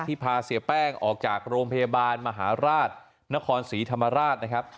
พาเสียแป้งออกจากโรงพยาบาลมหาราชนครศรีธรรมราชนะครับ